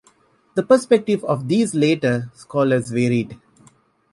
The perspectives of these later scholars varied.